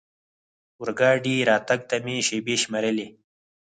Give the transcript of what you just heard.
اورګاډي راتګ ته مې شېبې شمېرلې.